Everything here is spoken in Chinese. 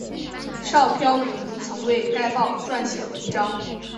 邵飘萍曾为该报撰写文章。